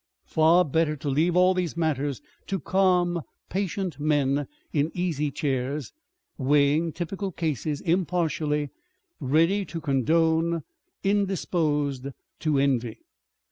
Far better to leave all these matters to calm, patient men in easy chairs, weighing typical cases impartially, ready to condone, indisposed to envy.